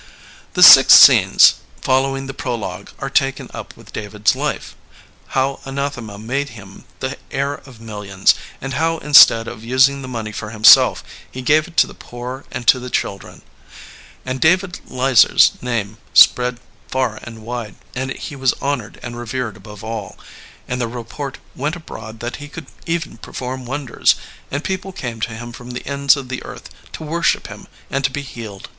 The six scenes following the prologue are taken up with David's life — ^how Anathema made him the heir of millions, and how instead of using the money for himself he gave it to the poor and to the children. And David Leizer's name spread far and wide, and he was honored and revered above all, and the report went abroad that he could even perform wonders, and people came to him from the ends of the earth to worship him and to be healed.